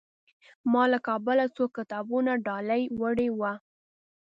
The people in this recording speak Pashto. ما له کابله څو کتابونه ډالۍ وړي وو.